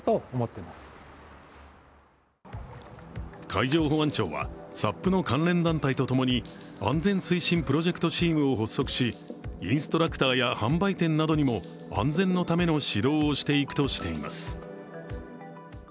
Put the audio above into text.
海上保安庁はＳＵＳの関連団体と共に安全推進プロジェクトチームを発足し、インストラクターや販売店などにも安全のための指導をしていくとしています。